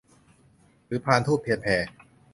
หรือพานธูปเทียนแพ